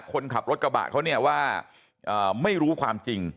คนขับรถกระบะเขาเนี่ยว่าไม่รู้ความจริง